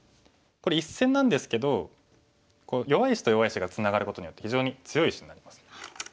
これ１線なんですけど弱い石と弱い石がツナがることによって非常に強い石になります。